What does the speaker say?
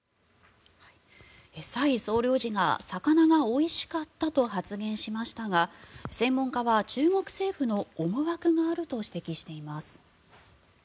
サイ総領事が魚がおいしかったと発言しましたが専門家は中国政府の思惑があると指摘しています。